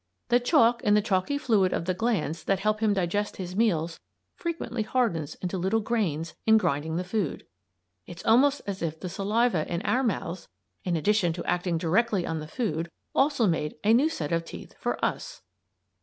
The chalk in the chalky fluid of the glands that help him digest his meals frequently hardens into little grains in grinding the food. It's almost as if the saliva in our mouths, in addition to acting directly on the food, also made a new set of teeth for us!